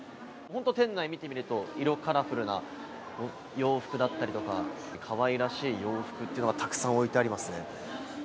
店内を見てみると、色、カラフルな洋服だったりとか、かわいらしい洋服っていうのが沢山置いてあります。